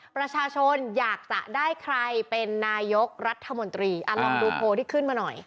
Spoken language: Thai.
ประชาชนอยากจะได้ใครเป็นนายกรัฐมนตรีลองดูโพลที่ขึ้นมาหน่อย